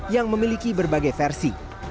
yang memiliki berbagai versi